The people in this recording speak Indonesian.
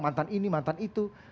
mantan ini mantan itu